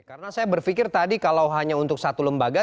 karena saya berpikir tadi kalau hanya untuk satu lembaga